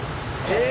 え！